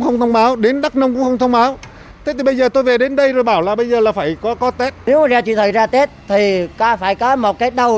khi tỉnh đắk nông đã xảy ra tình trạng hàng loạt phương tiện nằm chờ hoặc buộc phải quay đầu